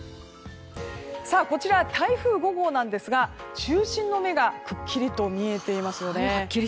こちら、台風５号なんですが中心の目がくっきりと見えていますよね。